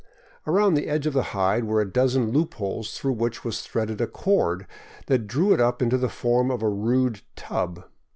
Around the edge of the hide were a dozen loop holes through which was threaded a cord that drew it up into the form of a rude tub.